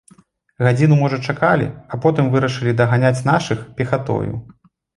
Гадзіну, можа, чакалі, а потым вырашылі даганяць нашых пехатою.